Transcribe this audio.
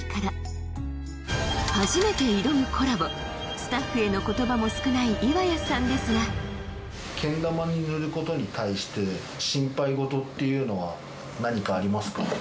スタッフへのことばも少ない岩谷さんですがけん玉に塗ることに対して心配事っていうのは何かありますか？